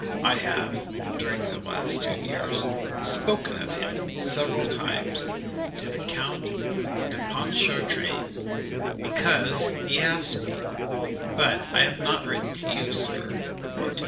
I have, during the last two years, spoken of him several times to the Count de Pontchartrain, because he asked me; but I have not written to you, sir, or to M.